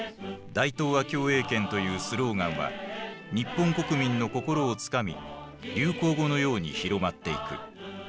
「大東亜共栄圏」というスローガンは日本国民の心をつかみ流行語のように広まっていく。